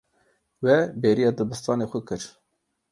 We bêriya dibistana xwe kir.